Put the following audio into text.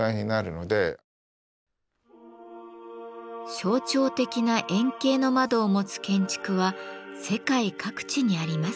象徴的な円形の窓を持つ建築は世界各地にあります。